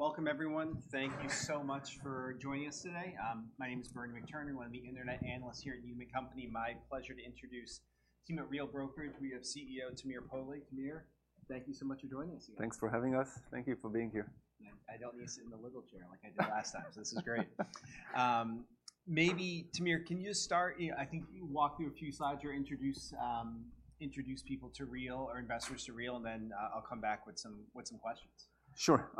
Welcome, everyone. Thank you so much for joining us today. My name is Bernie McTernan. I'm the internet analyst here at Needham & Company. My pleasure to introduce the team at Real Brokerage. We have CEO, Tamir Poleg. Tamir, thank you so much for joining us again. Thanks for having us. Thank you for being here. I don't need to sit in the little chair like I did last time, so this is great. Maybe, Tamir, can you start, you know, I think you walk through a few slides or introduce, introduce people to Real or investors to Real, and then, I'll come back with some, with some questions. Sure.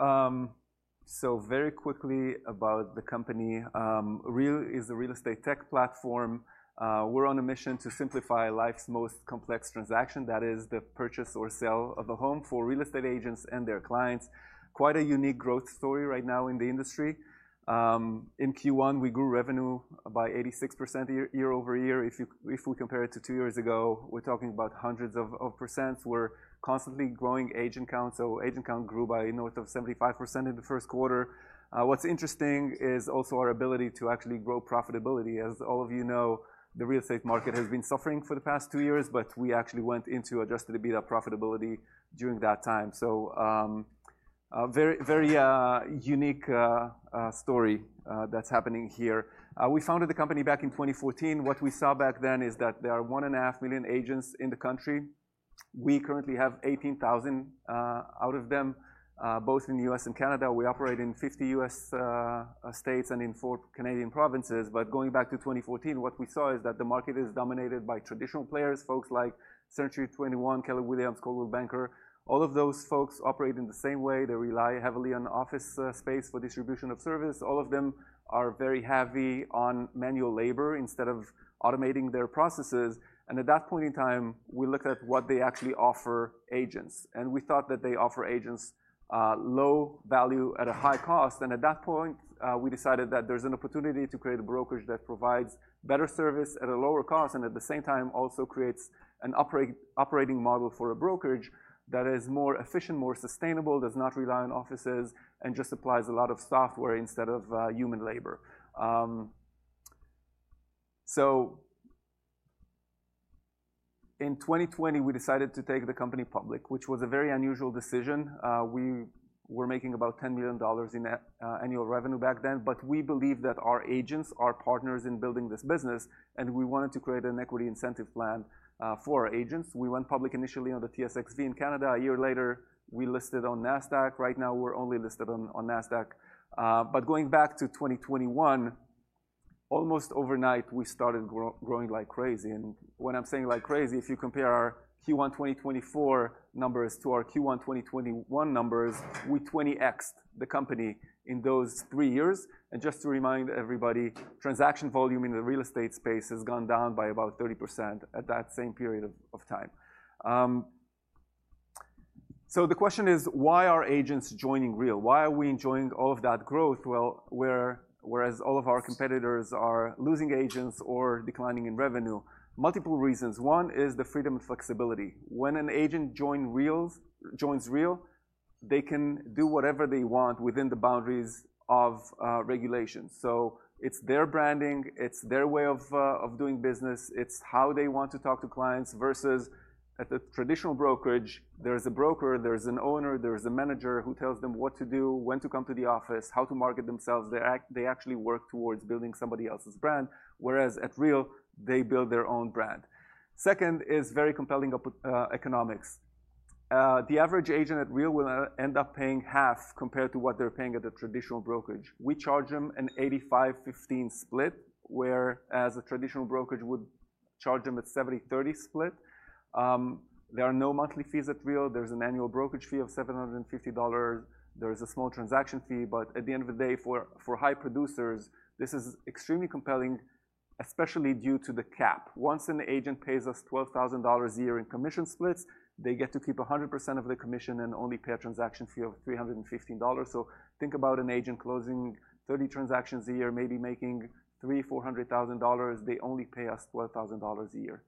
So very quickly about the company, Real is a real estate tech platform. We're on a mission to simplify life's most complex transaction, that is the purchase or sale of a home for real estate agents and their clients. Quite a unique growth story right now in the industry. In Q1, we grew revenue by 86% year-over-year. If you, if we compare it to two years ago, we're talking about hundreds of percents. We're constantly growing agent count, so agent count grew by north of 75% in the Q1. What's interesting is also our ability to actually grow profitability. As all of you know, the real estate market has been suffering for the past two years, but we actually went into Adjusted EBITDA profitability during that time. A very, very unique story that's happening here. We founded the company back in 2014. What we saw back then is that there are 1.5 million agents in the country. We currently have 18,000 out of them both in the U.S. and Canada. We operate in 50 U.S. states and in four Canadian provinces. But going back to 2014, what we saw is that the market is dominated by traditional players, folks like Century 21, Keller Williams, Coldwell Banker. All of those folks operate in the same way. They rely heavily on office space for distribution of service. All of them are very heavy on manual labor instead of automating their processes. At that point in time, we looked at what they actually offer agents, and we thought that they offer agents, low value at a high cost. At that point, we decided that there's an opportunity to create a brokerage that provides better service at a lower cost, and at the same time, also creates an operating model for a brokerage that is more efficient, more sustainable, does not rely on offices, and just applies a lot of software instead of, human labor. So in 2020, we decided to take the company public, which was a very unusual decision. We were making about $10 million in annual revenue back then, but we believe that our agents are partners in building this business, and we wanted to create an equity incentive plan, for our agents. We went public initially on the TSXV in Canada. A year later, we listed on Nasdaq. Right now, we're only listed on Nasdaq. But going back to 2021, almost overnight, we started growing like crazy. And when I'm saying like crazy, if you compare our Q1 2024 numbers to our Q1 2021 numbers, we 20x'd the company in those three years. And just to remind everybody, transaction volume in the real estate space has gone down by about 30% at that same period of time. So the question is, why are agents joining Real? Why are we enjoying all of that growth? Well, whereas all of our competitors are losing agents or declining in revenue, multiple reasons. One is the freedom and flexibility. When an agent join Real, joins Real, they can do whatever they want within the boundaries of regulation. So it's their branding, it's their way of, of doing business, it's how they want to talk to clients versus at a traditional brokerage, there's a broker, there's an owner, there's a manager who tells them what to do, when to come to the office, how to market themselves. They actually work towards building somebody else's brand, whereas at Real, they build their own brand. Second is very compelling economics. The average agent at Real will end up paying half compared to what they're paying at a traditional brokerage. We charge them an 85/15 split, whereas a traditional brokerage would charge them a 70/30 split. There are no monthly fees at Real. There's an annual brokerage fee of $750. There is a small transaction fee, but at the end of the day, for high producers, this is extremely compelling, especially due to the cap. Once an agent pays us $12,000 a year in commission splits, they get to keep 100% of the commission and only pay a transaction fee of $315. So think about an agent closing 30 transactions a year, maybe making $300,000-$400,000. They only pay us $12,000 a year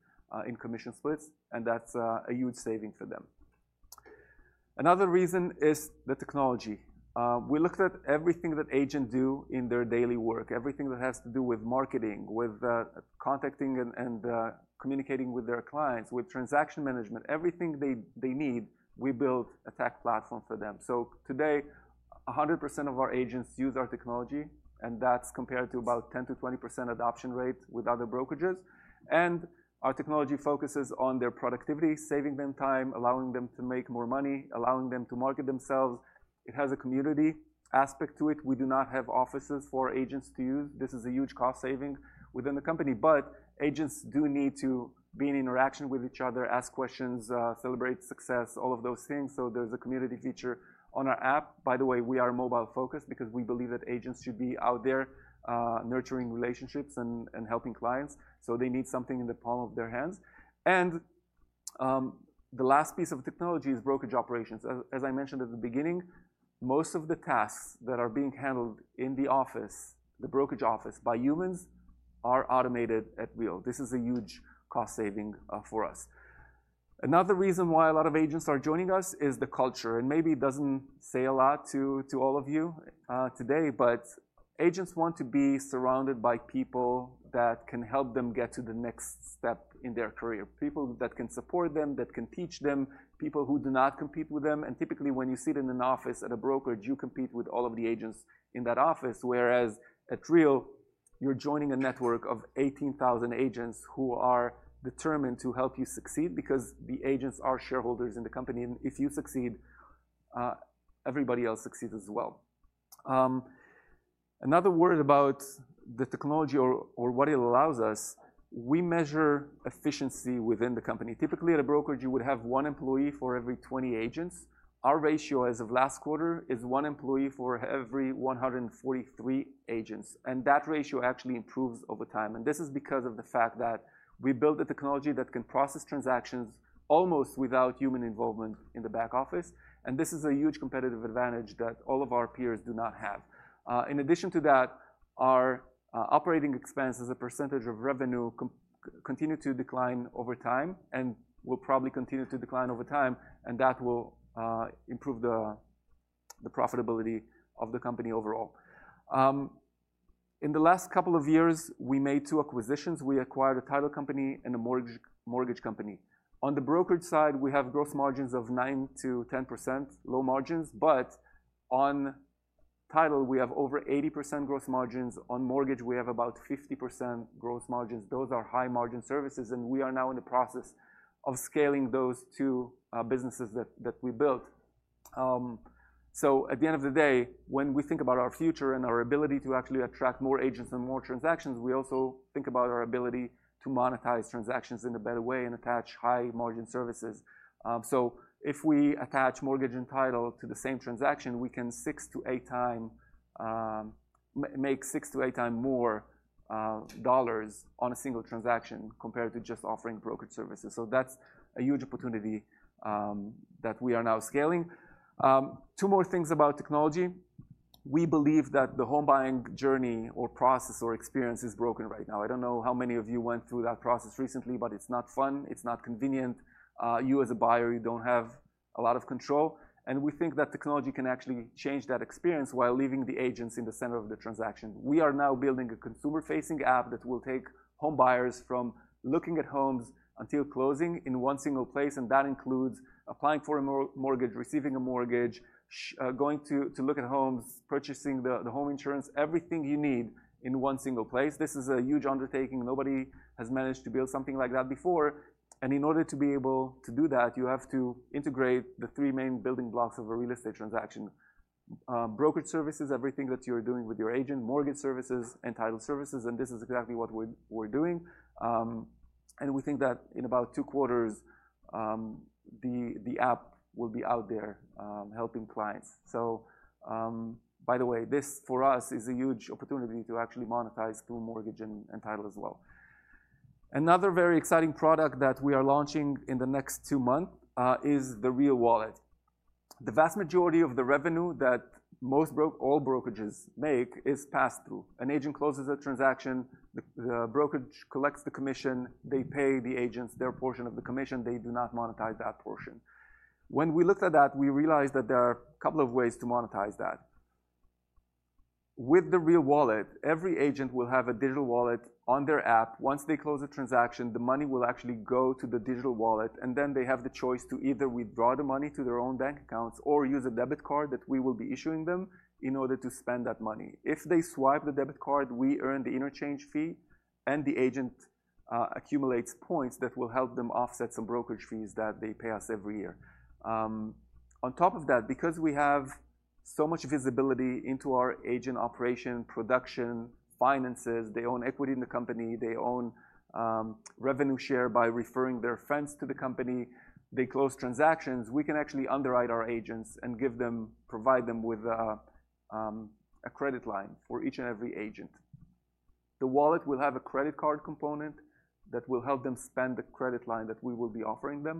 in commission splits, and that's a huge saving for them. Another reason is the technology. We looked at everything that agent do in their daily work, everything that has to do with marketing, with contacting and communicating with their clients, with transaction management, everything they need, we build a tech platform for them. So today, 100% of our agents use our technology, and that's compared to about 10%-20% adoption rate with other brokerages. Our technology focuses on their productivity, saving them time, allowing them to make more money, allowing them to market themselves. It has a community aspect to it. We do not have offices for agents to use. This is a huge cost saving within the company, but agents do need to be in interaction with each other, ask questions, celebrate success, all of those things. So there's a community feature on our app. By the way, we are mobile-focused because we believe that agents should be out there, nurturing relationships and helping clients, so they need something in the palm of their hands. The last piece of technology is brokerage operations. As I mentioned at the beginning, most of the tasks that are being handled in the office, the brokerage office, by humans are automated at Real. This is a huge cost saving for us. Another reason why a lot of agents are joining us is the culture, and maybe it doesn't say a lot to, to all of you today, but agents want to be surrounded by people that can help them get to the next step in their career. People that can support them, that can teach them, people who do not compete with them. Typically, when you sit in an office at a brokerage, you compete with all of the agents in that office, whereas at Real, you're joining a network of 18,000 agents who are determined to help you succeed because the agents are shareholders in the company, and if you succeed, everybody else succeeds as well. Another word about the technology or, or what it allows us, we measure efficiency within the company. Typically, at a brokerage, you would have one employee for every 20 agents. Our ratio as of last quarter is one employee for every 143 agents, and that ratio actually improves over time. This is because of the fact that we built a technology that can process transactions almost without human involvement in the back office, and this is a huge competitive advantage that all of our peers do not have. In addition to that, our operating expense as a percentage of revenue continue to decline over time and will probably continue to decline over time, and that will improve the profitability of the company overall. In the last couple of years, we made two acquisitions. We acquired a title company and a mortgage company. On the brokerage side, we have gross margins of 9%-10%, low margins, but on title, we have over 80% gross margins. On mortgage, we have about 50% gross margins. Those are high-margin services, and we are now in the process of scaling those two businesses that we built. So at the end of the day, when we think about our future and our ability to actually attract more agents and more transactions, we also think about our ability to monetize transactions in a better way and attach high-margin services. So if we attach mortgage and title to the same transaction, we can make six to eight times more dollars on a single transaction compared to just offering brokerage services. So that's a huge opportunity that we are now scaling. Two more things about technology. We believe that the home buying journey or process or experience is broken right now. I don't know how many of you went through that process recently, but it's not fun, it's not convenient. You as a buyer, you don't have a lot of control, and we think that technology can actually change that experience while leaving the agents in the center of the transaction. We are now building a consumer-facing app that will take home buyers from looking at homes until closing in one single place, and that includes applying for a mortgage, receiving a mortgage, going to look at homes, purchasing the home insurance, everything you need in one single place. This is a huge undertaking. Nobody has managed to build something like that before, and in order to be able to do that, you have to integrate the three main building blocks of a real estate transaction: brokerage services, everything that you're doing with your agent, mortgage services, and title services, and this is exactly what we're doing. And we think that in about two quarters, the app will be out there, helping clients. So, by the way, this, for us, is a huge opportunity to actually monetize through mortgage and title as well. Another very exciting product that we are launching in the next two months is the Real Wallet. The vast majority of the revenue that most all brokerages make is pass-through. An agent closes a transaction, the brokerage collects the commission, they pay the agents their portion of the commission. They do not monetize that portion. When we looked at that, we realized that there are a couple of ways to monetize that. With the Real Wallet, every agent will have a digital wallet on their app. Once they close a transaction, the money will actually go to the digital wallet, and then they have the choice to either withdraw the money to their own bank accounts or use a debit card that we will be issuing them in order to spend that money. If they swipe the debit card, we earn the interchange fee, and the agent accumulates points that will help them offset some brokerage fees that they pay us every year. On top of that, because we have so much visibility into our agent operation, production, finances, they own equity in the company, they own revenue share by referring their friends to the company, they close transactions, we can actually underwrite our agents and give them... provide them with a credit line for each and every agent. The wallet will have a credit card component that will help them spend the credit line that we will be offering them.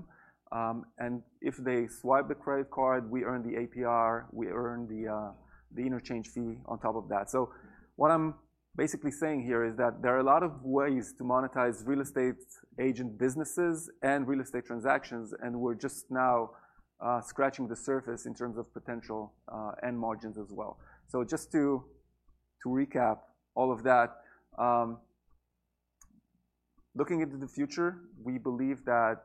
And if they swipe the credit card, we earn the APR, we earn the interchange fee on top of that. So what I'm basically saying here is that there are a lot of ways to monetize real estate agent businesses and real estate transactions, and we're just now scratching the surface in terms of potential and margins as well. So just to recap all of that, looking into the future, we believe that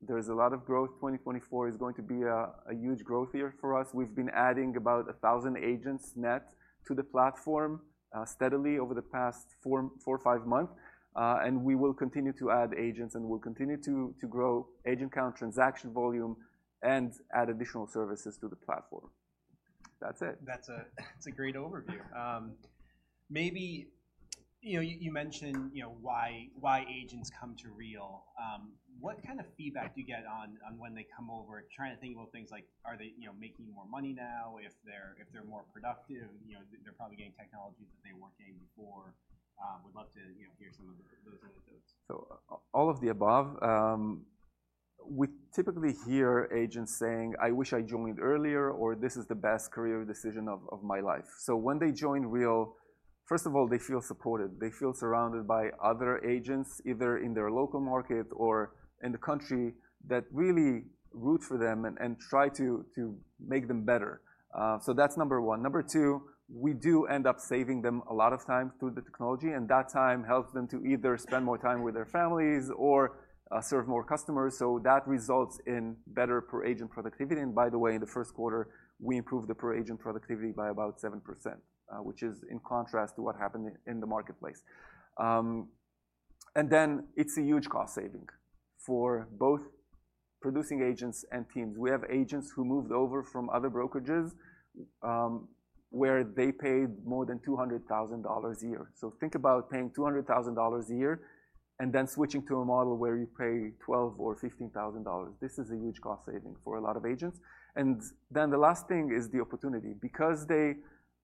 there is a lot of growth. 2024 is going to be a huge growth year for us. We've been adding about 1,000 agents net to the platform steadily over the past four or five months. We will continue to add agents, and we'll continue to grow agent count, transaction volume, and add additional services to the platform. That's it. That's a great overview. Maybe, you know, you mentioned, you know, why agents come to Real. What kind of feedback do you get on when they come over? Trying to think about things like, are they, you know, making more money now, if they're more productive, you know, they're probably getting technology that they weren't getting before. Would love to, you know, hear some of those anecdotes. So all of the above. We typically hear agents saying, "I wish I joined earlier," or, "This is the best career decision of my life." So when they join Real—first of all, they feel supported. They feel surrounded by other agents, either in their local market or in the country, that really root for them and try to make them better. So that's number one. Number two, we do end up saving them a lot of time through the technology, and that time helps them to either spend more time with their families or serve more customers. So that results in better per-agent productivity. And by the way, in the Q1, we improved the per-agent productivity by about 7%, which is in contrast to what happened in the marketplace. and then it's a huge cost saving for both producing agents and teams. We have agents who moved over from other brokerages, where they paid more than $200,000 a year. So think about paying $200,000 a year and then switching to a model where you pay $12,000 or $15,000. This is a huge cost saving for a lot of agents. And then the last thing is the opportunity. Because they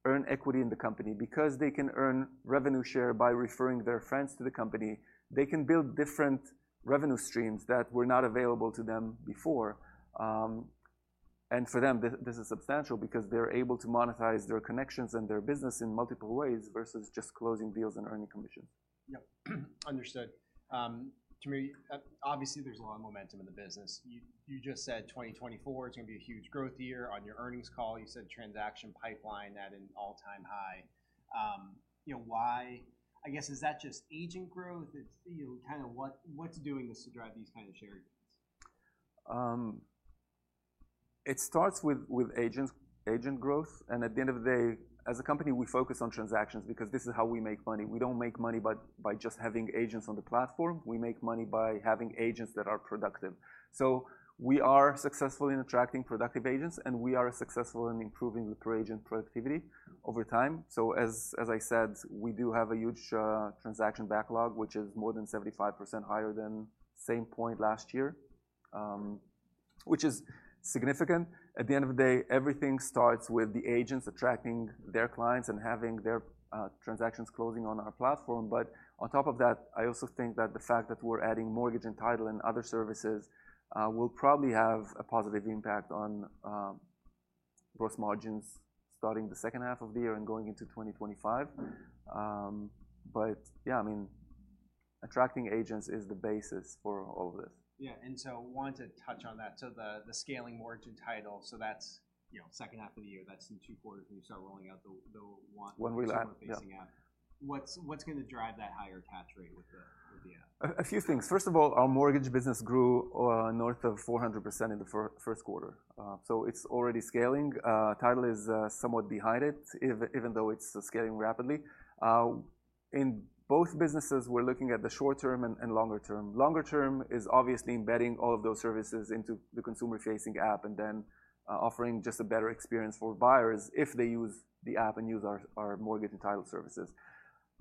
earn equity in the company, because they can earn revenue share by referring their friends to the company, they can build different revenue streams that were not available to them before. And for them, this, this is substantial because they're able to monetize their connections and their business in multiple ways versus just closing deals and earning commission. Yep. Understood. Tamir, obviously, there's a lot of momentum in the business. You just said 2024 is gonna be a huge growth year. On your earnings call, you said transaction pipeline at an all-time high. You know, why, I guess, is that just agent growth? It's, you know... kind of what's doing this to drive these kind of share gains? It starts with agents, agent growth, and at the end of the day, as a company, we focus on transactions because this is how we make money. We don't make money by just having agents on the platform. We make money by having agents that are productive. So we are successful in attracting productive agents, and we are successful in improving the per-agent productivity over time. So, as I said, we do have a huge transaction backlog, which is more than 75% higher than same point last year, which is significant. At the end of the day, everything starts with the agents attracting their clients and having their transactions closing on our platform. But on top of that, I also think that the fact that we're adding mortgage and title and other services will probably have a positive impact on gross margins starting the H2 of the year and going into 2025. But yeah, I mean, attracting agents is the basis for all of this. Yeah, and so I wanted to touch on that. So the scaling mortgage and title, so that's, you know, H2 of the year, that's in 2 quarters, when you start rolling out the one- One Real app, yeah -facing out. What's, what's gonna drive that higher attach rate with the, with the app? A few things. First of all, our mortgage business grew north of 400% in the Q1. So it's already scaling. Title is somewhat behind it, even though it's scaling rapidly. In both businesses, we're looking at the short term and longer term. Longer term is obviously embedding all of those services into the consumer-facing app and then offering just a better experience for buyers if they use the app and use our mortgage and title services.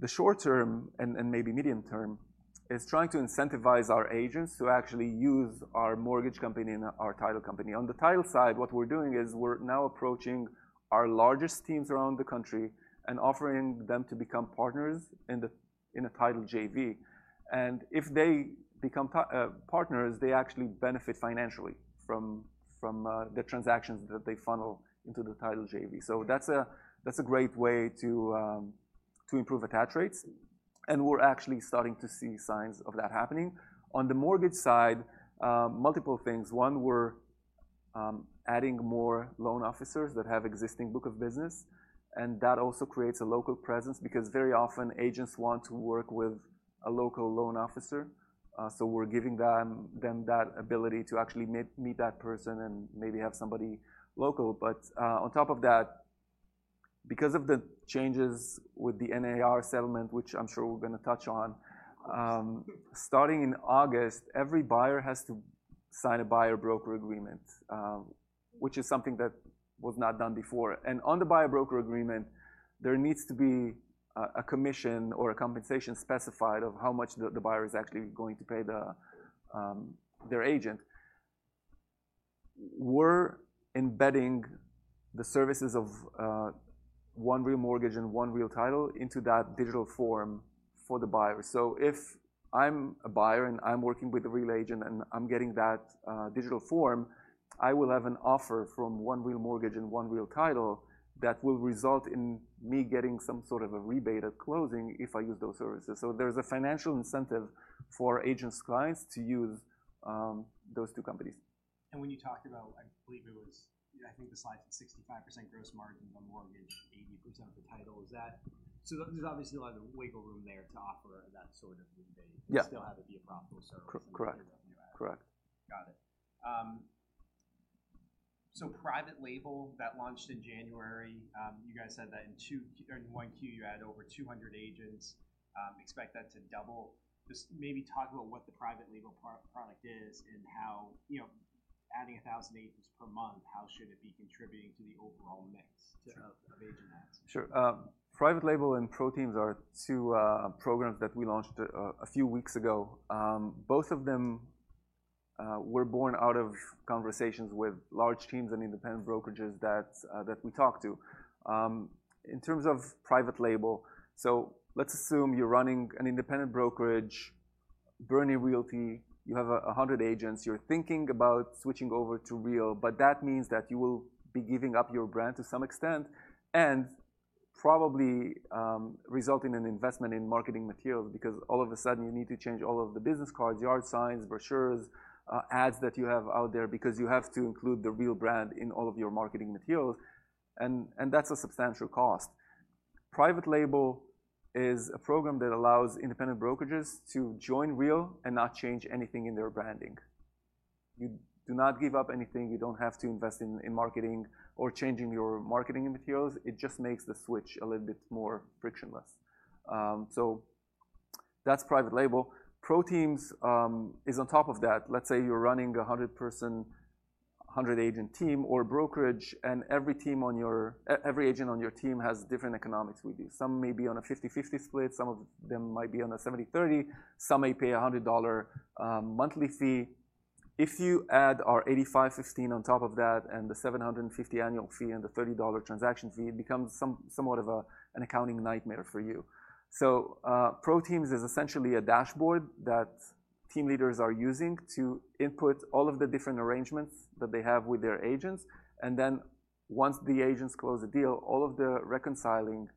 The short term and maybe medium term is trying to incentivize our agents to actually use our mortgage company and our title company. On the title side, what we're doing is we're now approaching our largest teams around the country and offering them to become partners in a title JV. And if they become partners, they actually benefit financially from the transactions that they funnel into the title JV. So that's a great way to improve attach rates, and we're actually starting to see signs of that happening. On the mortgage side, multiple things. One, we're adding more loan officers that have existing book of business, and that also creates a local presence, because very often agents want to work with a local loan officer. So we're giving them that ability to actually meet that person and maybe have somebody local. But on top of that, because of the changes with the NAR settlement, which I'm sure we're gonna touch on, starting in August, every buyer has to sign a buyer-broker agreement, which is something that was not done before. And on the buyer-broker agreement, there needs to be a commission or a compensation specified of how much the buyer is actually going to pay their agent. We're embedding the services of One Real Mortgage and One Real Title into that digital form for the buyer. So if I'm a buyer, and I'm working with a Real agent, and I'm getting that digital form, I will have an offer from One Real Mortgage and One Real Title that will result in me getting some sort of a rebate at closing if I use those services. So there's a financial incentive for agents' clients to use those two companies. When you talked about, I believe it was... I think the slide said 65% gross margin on mortgage, 80% on the title, is that... So there's obviously a lot of wiggle room there to offer that sort of rebate- Yeah. still have it be a profitable service. Cor- correct. - revenue. Correct. Got it. So private label that launched in January, you guys said that in two, or in one Q, you added over 200 agents. Expect that to double. Just maybe talk about what the private label product is and how, you know, adding 1,000 agents per month, how should it be contributing to the overall mix of agent mix? Sure. Private Label and ProTeams are two programs that we launched a few weeks ago. Both of them were born out of conversations with large teams and independent brokerages that we talk to. In terms of Private Label, so let's assume you're running an independent brokerage, Bernie Realty, you have 100 agents. You're thinking about switching over to Real, but that means that you will be giving up your brand to some extent, and probably result in an investment in marketing materials, because all of a sudden, you need to change all of the business cards, yard signs, brochures, ads that you have out there, because you have to include the Real brand in all of your marketing materials. That's a substantial cost. Private Label is a program that allows independent brokerages to join Real and not change anything in their branding. You do not give up anything. You don't have to invest in, in marketing or changing your marketing materials. It just makes the switch a little bit more frictionless. So that's Private Label. ProTeams is on top of that. Let's say you're running a 100-person, 100-agent team or brokerage, and every team on your—every agent on your team has different economics with you. Some may be on a 50/50 split, some of them might be on a 70/30, some may pay a $100 monthly fee. If you add our 85/15 on top of that, and the $750 annual fee and the $30 transaction fee, it becomes somewhat of a, an accounting nightmare for you. So, ProTeams is essentially a dashboard that team leaders are using to input all of the different arrangements that they have with their agents, and then once the agents close the deal, all of the reconciling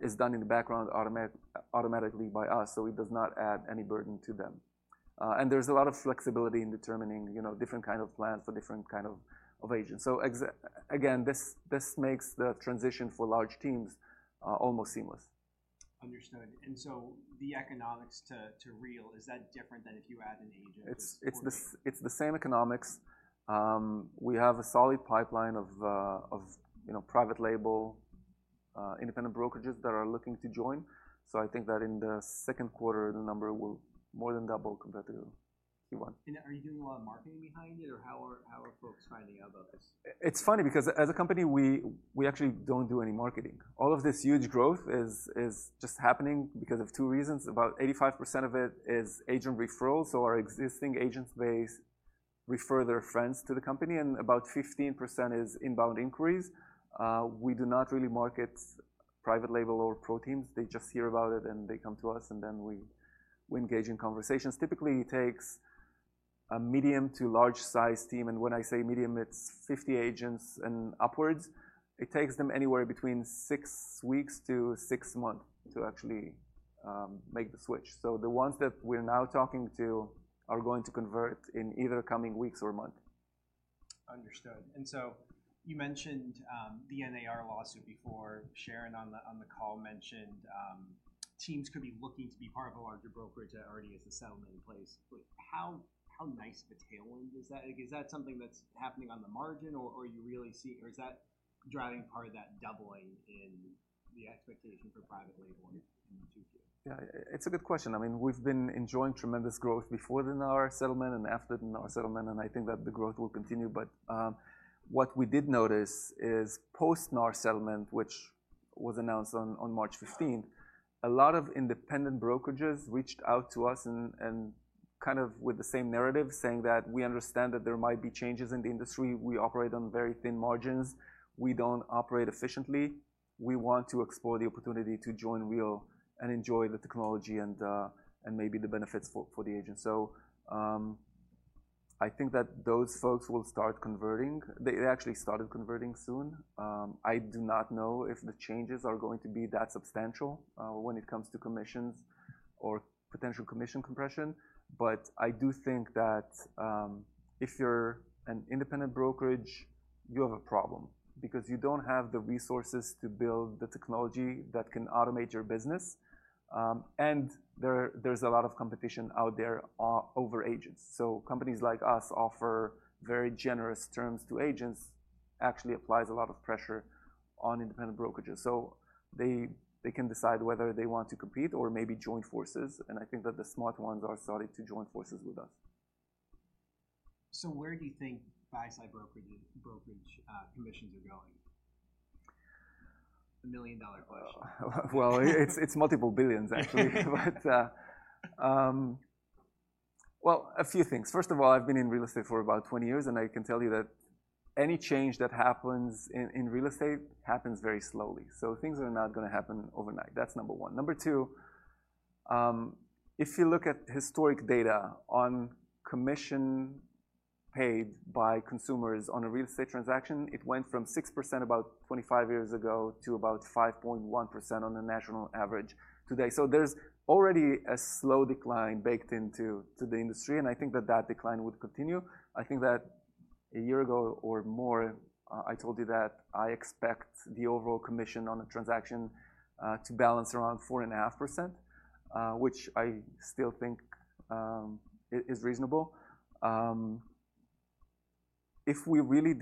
is done in the background automatically by us, so it does not add any burden to them. And there's a lot of flexibility in determining, you know, different kind of plans for different kind of agents. Again, this makes the transition for large teams almost seamless. Understood. So the economics to Real is that different than if you add an agent? It's the same economics. We have a solid pipeline of, you know, private label independent brokerages that are looking to join. So I think that in the Q2, the number will more than double compared to Q1. Are you doing a lot of marketing behind it, or how are folks finding out about this? It's funny because as a company, we actually don't do any marketing. All of this huge growth is just happening because of two reasons. About 85% of it is agent referrals, so our existing agent base refer their friends to the company, and about 15% is inbound inquiries. We do not really market private label or Pro Teams. They just hear about it, and they come to us, and then we engage in conversations. Typically, it takes a medium to large-size team, and when I say medium, it's 50 agents and upwards. It takes them anywhere between 6 weeks to 6 months to actually make the switch. So the ones that we're now talking to are going to convert in either coming weeks or month. Understood. And so you mentioned, the NAR lawsuit before. Sharran, on the, on the call mentioned, teams could be looking to be part of a larger brokerage that already has a settlement in place. Like, how, how nice of a tailwind is that? Like, is that something that's happening on the margin, or, or you really see-- or is that driving part of that doubling in the expectation for private label in, Q2? Yeah, it's a good question. I mean, we've been enjoying tremendous growth before the NAR settlement and after the NAR settlement, and I think that the growth will continue. But, what we did notice is post-NAR settlement, which was announced on March 15, a lot of independent brokerages reached out to us and kind of with the same narrative, saying that we understand that there might be changes in the industry. We operate on very thin margins. We don't operate efficiently. We want to explore the opportunity to join Real and enjoy the technology and maybe the benefits for the agents. So, I think that those folks will start converting. They actually started converting soon. I do not know if the changes are going to be that substantial, when it comes to commissions or potential commission compression, but I do think that, if you're an independent brokerage, you have a problem because you don't have the resources to build the technology that can automate your business. And there's a lot of competition out there over agents. So companies like us offer very generous terms to agents, actually applies a lot of pressure on independent brokerages. So they can decide whether they want to compete or maybe join forces, and I think that the smart ones are starting to join forces with us. Where do you think buy-side brokerage commissions are going? The million-dollar question. Well, it's, it's multiple billions, actually. But, well, a few things. First of all, I've been in real estate for about 20 years, and I can tell you that any change that happens in, in real estate happens very slowly. So things are not gonna happen overnight. That's number one. Number two, if you look at historic data on commission paid by consumers on a real estate transaction, it went from 6% about 25 years ago to about 5.1% on the national average today. So there's already a slow decline baked into to the industry, and I think that that decline would continue. I think that a year ago or more, I told you that I expect the overall commission on a transaction, to balance around 4.5%, which I still think, is reasonable. If we really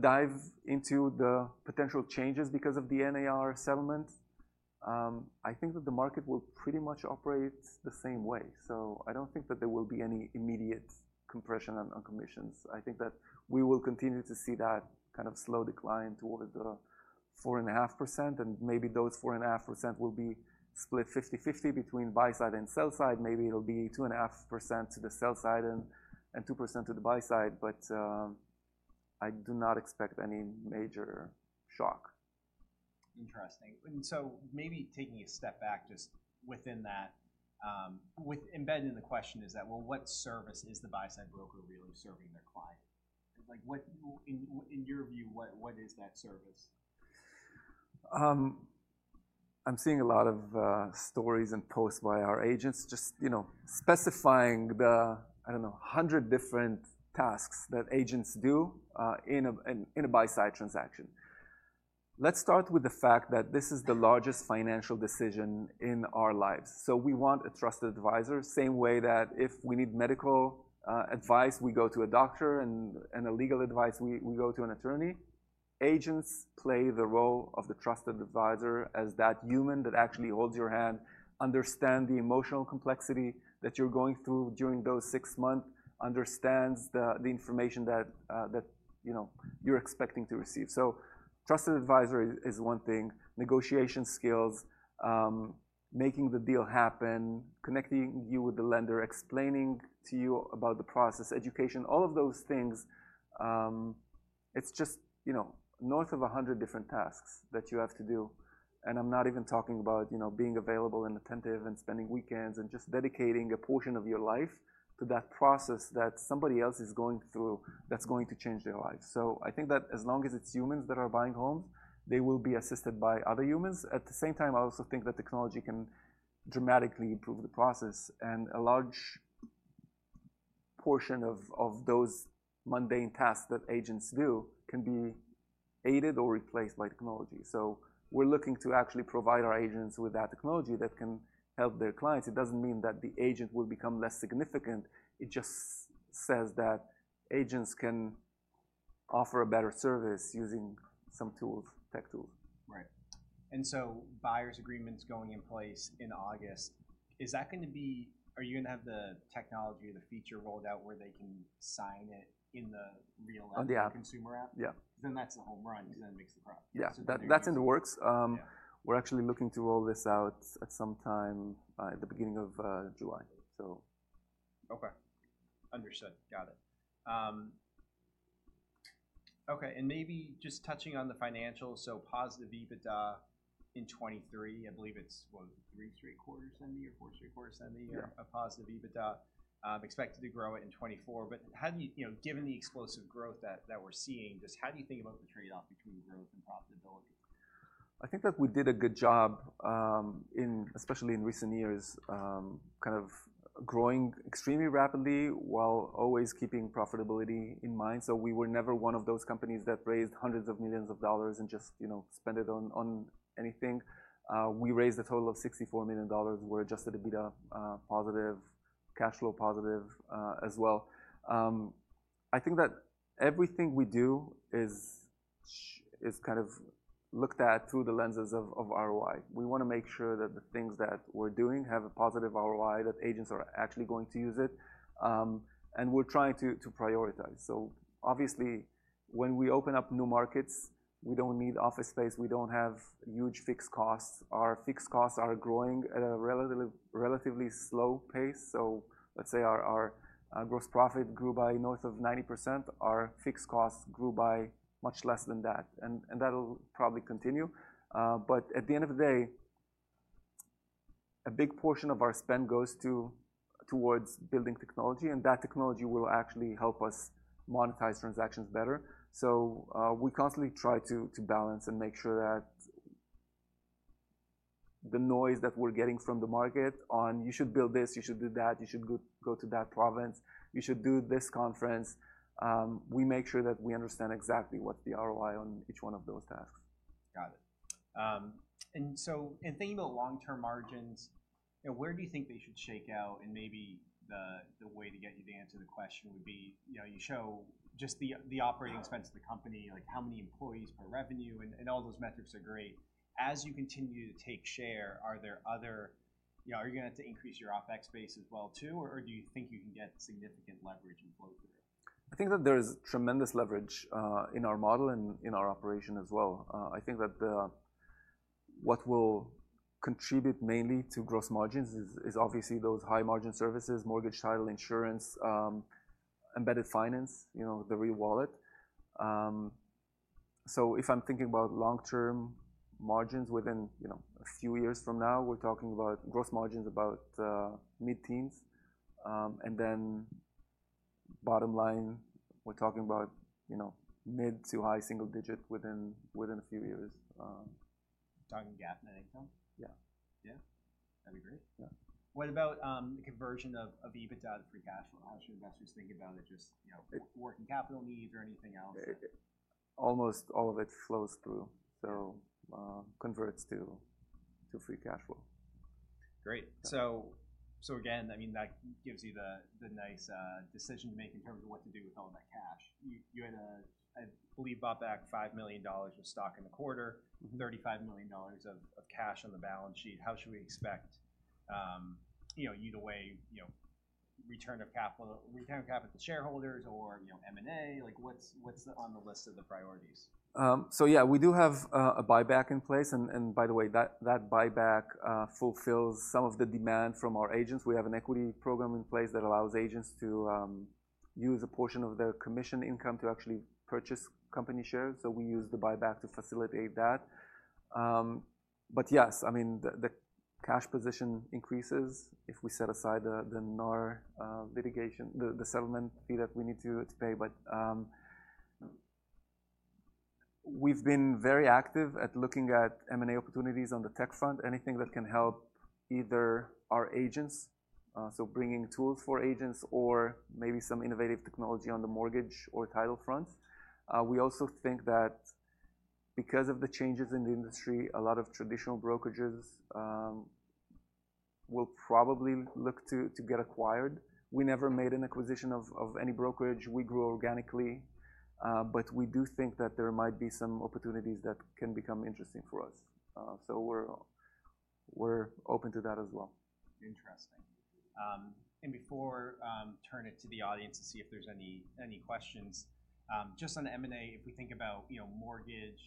dive into the potential changes because of the NAR settlement, I think that the market will pretty much operate the same way. So I don't think that there will be any immediate compression on commissions. I think that we will continue to see that kind of slow decline toward the 4.5%, and maybe those 4.5% will be split 50/50 between buy side and sell side. Maybe it'll be 2.5% to the sell side and 2% to the buy side, but I do not expect any major shock.... Interesting. And so maybe taking a step back just within that, with embedded in the question is that, well, what service is the buy-side broker really serving their client? Like, what in your view is that service? I'm seeing a lot of stories and posts by our agents just, you know, specifying the, I don't know, 100 different tasks that agents do in a buy-side transaction. Let's start with the fact that this is the largest financial decision in our lives, so we want a trusted advisor. Same way that if we need medical advice, we go to a doctor, and a legal advice, we go to an attorney. Agents play the role of the trusted advisor as that human that actually holds your hand, understand the emotional complexity that you're going through during those six months, understands the information that, you know, you're expecting to receive. So trusted advisor is one thing. Negotiation skills, making the deal happen, connecting you with the lender, explaining to you about the process, education, all of those things, it's just, you know, north of 100 different tasks that you have to do, and I'm not even talking about, you know, being available and attentive and spending weekends and just dedicating a portion of your life to that process that somebody else is going through, that's going to change their lives. So I think that as long as it's humans that are buying homes, they will be assisted by other humans. At the same time, I also think that technology can dramatically improve the process, and a large portion of those mundane tasks that agents do can be aided or replaced by technology. So we're looking to actually provide our agents with that technology that can help their clients. It doesn't mean that the agent will become less significant. It just says that agents can offer a better service using some tools, tech tools. Right. So buyer's agreements going in place in August, is that gonna be... Are you gonna have the technology or the feature rolled out where they can sign it in the Real- On the app? - consumer app? Yeah. That's a home run 'cause that makes the product. Yeah. So- That's in the works. Yeah. We're actually looking to roll this out at some time, at the beginning of July. So... Okay. Understood. Got it. Okay, and maybe just touching on the financials, so positive EBITDA in 2023, I believe it's, what, $3.75 end of the year, $4.75 end of the year? Yeah. A positive EBITDA, expected to grow it in 2024. But how do you... You know, given the explosive growth that we're seeing, just how do you think about the trade-off between growth and profitability? I think that we did a good job, especially in recent years, kind of growing extremely rapidly while always keeping profitability in mind. So we were never one of those companies that raised $hundreds of millions and just, you know, spend it on anything. We raised a total of $64 million. We're Adjusted EBITDA positive, cash flow positive, as well. I think that everything we do is kind of looked at through the lenses of ROI. We wanna make sure that the things that we're doing have a positive ROI, that agents are actually going to use it. And we're trying to prioritize. So obviously, when we open up new markets, we don't need office space, we don't have huge fixed costs. Our fixed costs are growing at a relatively slow pace. So let's say our gross profit grew by north of 90%, our fixed costs grew by much less than that, and that'll probably continue. But at the end of the day, a big portion of our spend goes towards building technology, and that technology will actually help us monetize transactions better. So we constantly try to balance and make sure that the noise that we're getting from the market on, "You should build this, you should do that, you should go to that province, you should do this conference," we make sure that we understand exactly what the ROI on each one of those tasks. Got it. And so in thinking about long-term margins, you know, where do you think they should shake out? And maybe the way to get you to answer the question would be, you know, you show just the operating expense of the company, like how many employees per revenue, and all those metrics are great. As you continue to take share, are there other... You know, are you gonna have to increase your OpEx base as well, too, or do you think you can get significant leverage and flow through it? I think that there is tremendous leverage in our model and in our operation as well. I think that what will contribute mainly to gross margins is obviously those high-margin services, mortgage, title, insurance, embedded finance, you know, the Real Wallet. So if I'm thinking about long-term margins within, you know, a few years from now, we're talking about gross margins about mid-teens. And then bottom line, we're talking about, you know, mid to high single digit within a few years. Talking GAAP net income? Yeah. Yeah. That'd be great. Yeah. What about the conversion of EBITDA to free cash flow? How should investors think about it, just you know, working capital needs or anything else? Almost all of it flows through, so, converts to free cash flow. Great. So, so again, I mean, that gives you the nice decision to make in terms of what to do with all that cash. You had a, I believe, bought back $5 million of stock in the quarter, $35 million of cash on the balance sheet. How should we expect, you know, either way, you know, return of capital, return of capital to shareholders or, you know, M&A? Like, what's on the list of the priorities? So yeah, we do have a buyback in place, and by the way, that buyback fulfills some of the demand from our agents. We have an equity program in place that allows agents to use a portion of their commission income to actually purchase company shares, so we use the buyback to facilitate that. But yes, I mean, the cash position increases if we set aside the NAR litigation, the settlement fee that we need to pay. But we've been very active at looking at M&A opportunities on the tech front, anything that can help either our agents, so bringing tools for agents or maybe some innovative technology on the mortgage or title front. We also think that because of the changes in the industry, a lot of traditional brokerages will probably look to get acquired. We never made an acquisition of any brokerage. We grew organically, but we do think that there might be some opportunities that can become interesting for us. So we're open to that as well. Interesting. And before turn it to the audience to see if there's any questions, just on M&A, if we think about, you know, mortgage,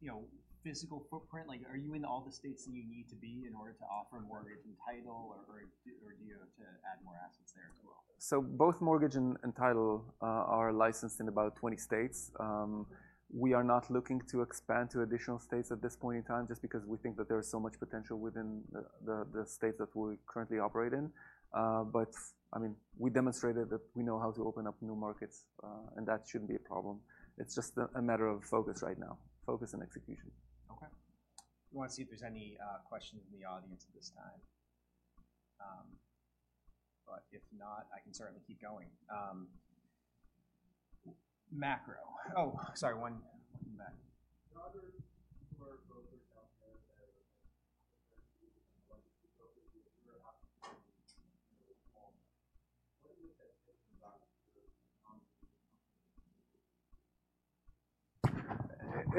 you know, physical footprint, like are you in all the states that you need to be in order to offer a mortgage and title, or do you have to add more assets there as well? So both mortgage and title are licensed in about 20 states. We are not looking to expand to additional states at this point in time just because we think that there is so much potential within the states that we currently operate in. But I mean, we demonstrated that we know how to open up new markets, and that shouldn't be a problem. It's just a matter of focus right now, focus and execution. Okay. I wanna see if there's any questions in the audience at this time. But if not, I can certainly keep going. Macro... Oh, sorry, one in the back.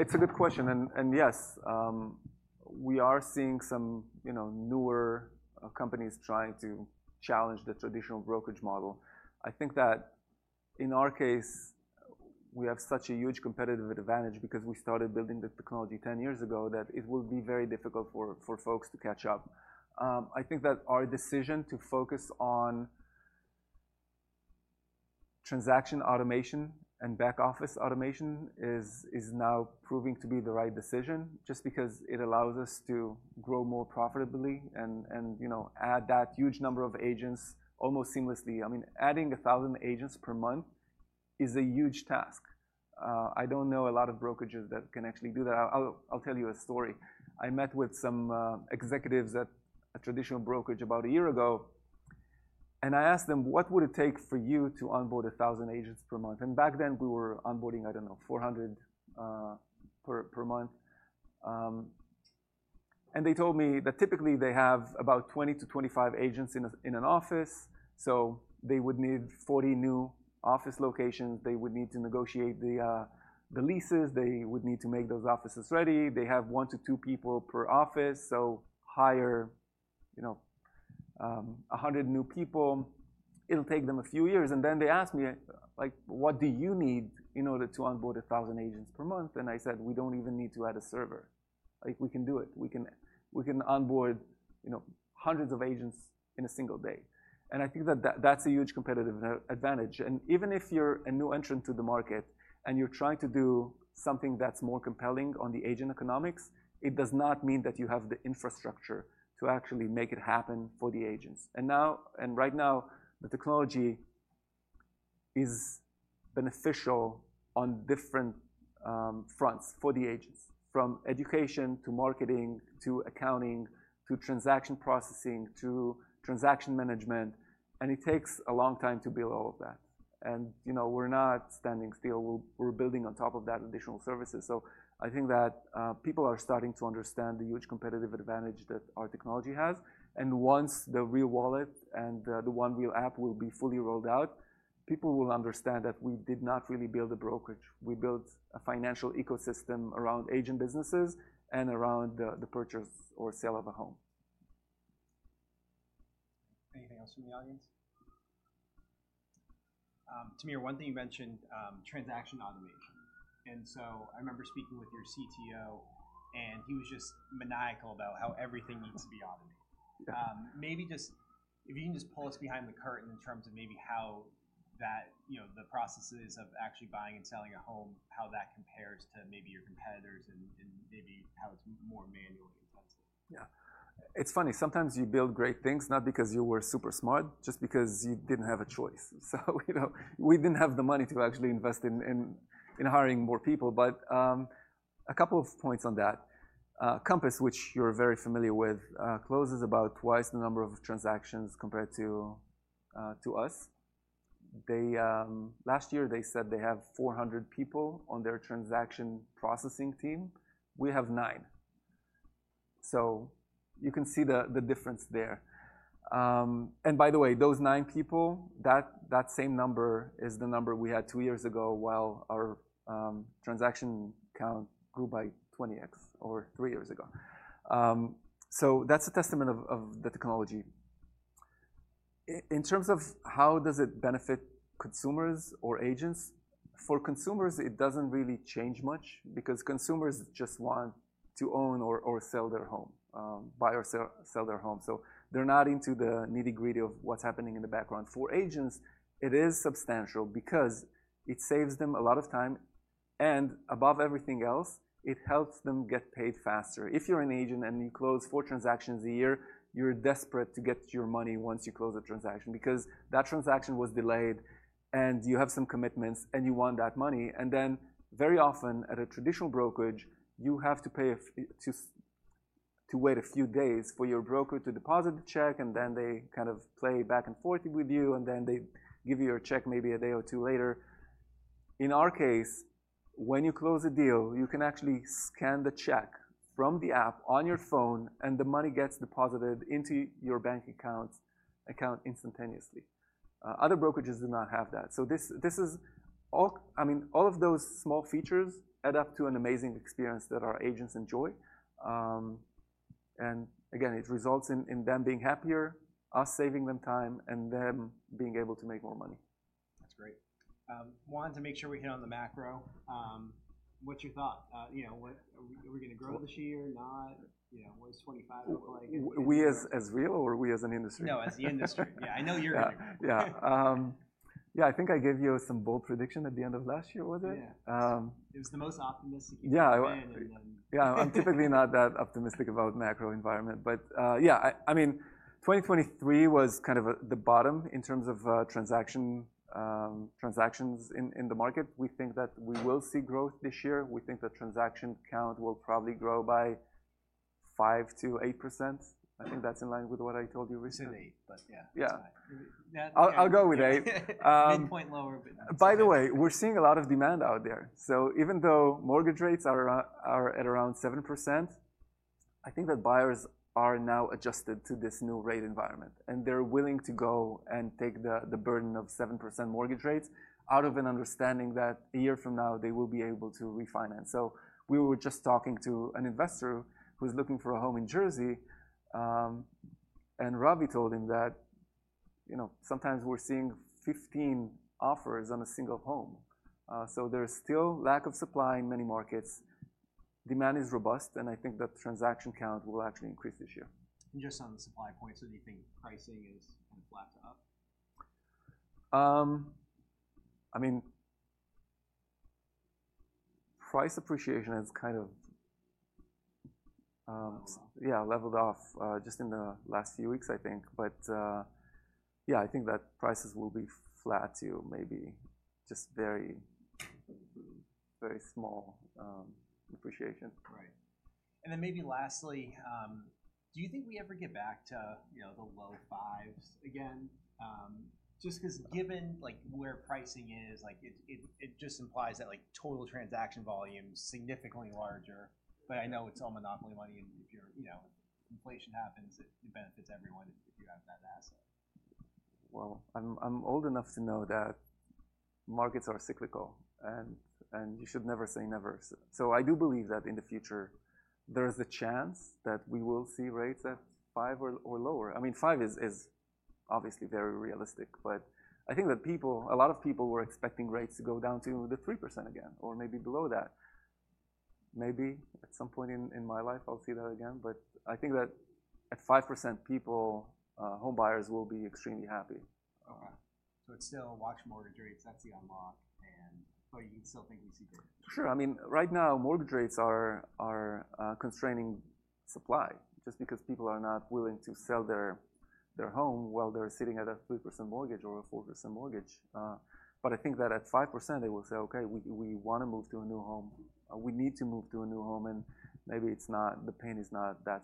There are other brokerages out there that are like, what are you thinking about? It's a good question, and yes, we are seeing some, you know, newer companies trying to challenge the traditional brokerage model. I think that in our case, we have such a huge competitive advantage because we started building the technology 10 years ago, that it will be very difficult for folks to catch up. I think that our decision to focus on transaction automation and back office automation is now proving to be the right decision, just because it allows us to grow more profitably and, you know, add that huge number of agents almost seamlessly. I mean, adding 1,000 agents per month is a huge task. I don't know a lot of brokerages that can actually do that. I'll tell you a story. I met with some executives at a traditional brokerage about a year ago, and I asked them: What would it take for you to onboard 1000 agents per month? And back then, we were onboarding, I don't know, 400 per month. And they told me that typically they have about 20-25 agents in an office, so they would need 40 new office locations. They would need to negotiate the leases. They would need to make those offices ready. They have one to two people per office, so hire, you know, 100 new people. It'll take them a few years, and then they ask me, like: What do you need in order to onboard 1000 agents per month? And I said, "We don't even need to add a server." Like, we can do it. We can, we can onboard, you know, hundreds of agents in a single day. And I think that, that's a huge competitive advantage. And even if you're a new entrant to the market, and you're trying to do something that's more compelling on the agent economics, it does not mean that you have the infrastructure to actually make it happen for the agents. And now, and right now, the technology is beneficial on different fronts for the agents, from education to marketing to accounting to transaction processing to transaction management, and it takes a long time to build all of that. And, you know, we're not standing still. We're, we're building on top of that additional services. So I think that people are starting to understand the huge competitive advantage that our technology has. Once the Real Wallet and the One Real app will be fully rolled out, people will understand that we did not really build a brokerage. We built a financial ecosystem around agent businesses and around the purchase or sale of a home. Anything else from the audience? Tamir, one thing you mentioned, transaction automation, and so I remember speaking with your CTO, and he was just maniacal about how everything needs to be automated. Maybe just... If you can just pull us behind the curtain in terms of maybe how that, you know, the processes of actually buying and selling a home, how that compares to maybe your competitors and maybe how it's more manually intensive. Yeah. It's funny, sometimes you build great things not because you were super smart, just because you didn't have a choice. So, you know, we didn't have the money to actually invest in hiring more people. But a couple of points on that. Compass, which you're very familiar with, closes about twice the number of transactions compared to us. They last year said they have 400 people on their transaction processing team. We have nine. So you can see the difference there. And by the way, those nine people, that same number is the number we had two years ago, while our transaction count grew by 20x or three years ago. So that's a testament of the technology. In terms of how does it benefit consumers or agents, for consumers, it doesn't really change much because consumers just want to own or, or sell their home, buy or sell, sell their home. So they're not into the nitty-gritty of what's happening in the background. For agents, it is substantial because it saves them a lot of time and above everything else, it helps them get paid faster. If you're an agent and you close four transactions a year, you're desperate to get your money once you close a transaction, because that transaction was delayed and you have some commitments, and you want that money. Then very often, at a traditional brokerage, you have to wait a few days for your broker to deposit the check, and then they kind of play back and forth with you, and then they give you your check maybe a day or two later. In our case, when you close a deal, you can actually scan the check from the app on your phone, and the money gets deposited into your bank account instantaneously. Other brokerages do not have that. So this is all, I mean, all of those small features add up to an amazing experience that our agents enjoy. And again, it results in them being happier, us saving them time, and them being able to make more money. That's great. Wanted to make sure we hit on the macro. What's your thought? You know, what are we, are we gonna grow this year? Not, you know, what does 25 look like? We as we or we as an industry? No, as the industry. Yeah, I know you're- Yeah. Yeah, I think I gave you some bold prediction at the end of last year, was it? Yeah. Um- It was the most optimistic you've been. Yeah, I- And then... Yeah, I'm typically not that optimistic about macro environment. But yeah, I mean, 2023 was kind of at the bottom in terms of transactions in the market. We think that we will see growth this year. We think the transaction count will probably grow by 5%-8%. I think that's in line with what I told you recently. To 8, but yeah. Yeah. Yeah. I'll go with eight. Midpoint lower, but- By the way, we're seeing a lot of demand out there. So even though mortgage rates are around, are at around 7%, I think that buyers are now adjusted to this new rate environment, and they're willing to go and take the burden of 7% mortgage rates out of an understanding that a year from now, they will be able to refinance. So we were just talking to an investor who's looking for a home in Jersey, and Ravi told him that, you know, sometimes we're seeing 15 offers on a single home. So there is still lack of supply in many markets. Demand is robust, and I think that transaction count will actually increase this year. Just on the supply point, so do you think pricing is kind of flat to up? I mean, price appreciation has kind of... Leveled off. Yeah, leveled off just in the last few weeks, I think. But yeah, I think that prices will be flat to maybe just very, very small appreciation. Right. And then maybe lastly, do you think we ever get back to, you know, the low fives again? Just 'cause given, like, where pricing is, like, it just implies that, like, total transaction volume is significantly larger. But I know it's all monopoly money, and if you're... you know, inflation happens, it benefits everyone if you have that asset. Well, I'm old enough to know that markets are cyclical, and you should never say never. So I do believe that in the future, there is a chance that we will see rates at 5 or lower. I mean, 5 is obviously very realistic, but I think that people, a lot of people were expecting rates to go down to the 3% again, or maybe below that. Maybe at some point in my life, I'll see that again, but I think that at 5%, people, homebuyers will be extremely happy. Okay. So it's still watch mortgage rates, that's the unlock, and... but you still think we see growth? Sure. I mean, right now, mortgage rates are constraining supply just because people are not willing to sell their home while they're sitting at a 3% mortgage or a 4% mortgage. But I think that at 5%, they will say, "Okay, we wanna move to a new home. We need to move to a new home," and maybe it's not the pain is not that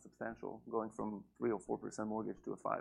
substantial, going from 3% or 4% mortgage to a 5%.